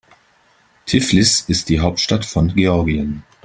Tiflis ist die Hauptstadt von Georgien.